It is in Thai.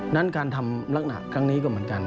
นั้นการทำลักษณะครั้งนี้ก็เหมือนกัน